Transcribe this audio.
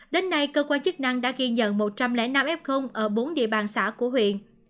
đến nay cơ quan chức năng đã ghi nhận một trăm linh năm f ở bốn địa bàn xã của huyện